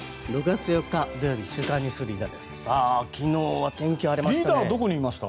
６月４日、土曜日「週刊ニュースリーダー」です。